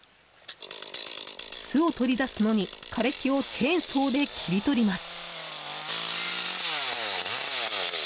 巣を取り出すのに、枯れ木をチェーンソーで切り取ります。